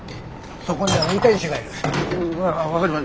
そこには運転手がいる。